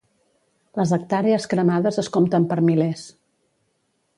Les hectàrees cremades es compten per milers.